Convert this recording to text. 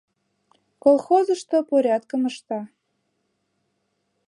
Колхозышто порядкым ышта.